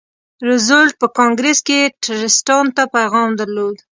روزولټ په کانګریس کې ټرستانو ته پیغام درلود.